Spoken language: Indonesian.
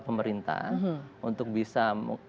pemerintah untuk bisa